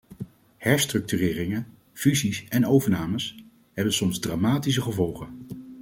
Herstructureringen, fusies en overnames hebben soms dramatische gevolgen.